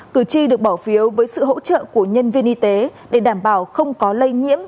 cử tri được bỏ phiếu với sự hỗ trợ của nhân viên y tế để đảm bảo không có lây nhiễm